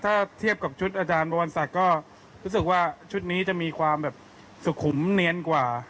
ถ้าเทียบกับชุดอาจารย์บวรศักดิ์ก็รู้สึกว่าชุดนี้จะมีความแบบสุขุมเนียนกว่า